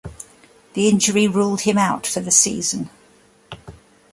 The injury ruled him out for the season.